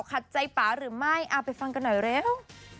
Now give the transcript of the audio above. ขัดใจป่าหรือไม่เอาไปฟังกันหน่อยเร็ว